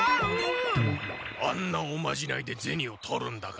あんなおまじないでゼニを取るんだから。